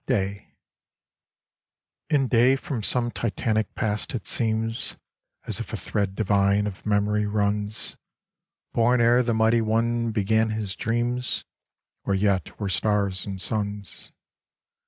27 IN day from some titanic past it seems As if a thread divine of memory runs ; Born ere the Mighty One began his dreams, Or yet were stars and suns.